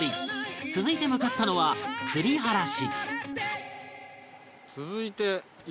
続いて向かったのは栗原市